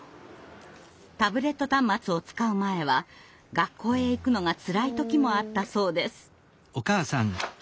タブレット端末を使う前は学校へ行くのがつらい時もあったそうです。